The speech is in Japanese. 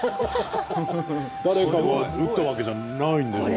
誰かが打ったわけじゃないんですもんね。